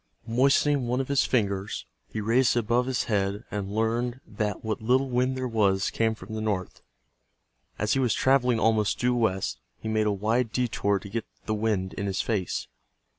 Moistening one of his fingers, he raised it above his head and learned that what little wind there was came from the north. As he was traveling almost due west, he made a wide detour to get the wind in his face.